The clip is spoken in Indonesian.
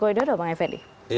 presiden jokowi dodo bang evin